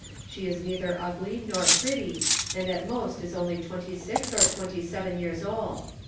She is neither ugly nor pretty, and at most is only twenty six or twenty seven years old.